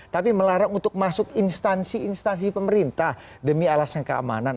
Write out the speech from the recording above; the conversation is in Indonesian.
tapi melarang untuk masuk instansi instansi pemerintah demi alasan keamanan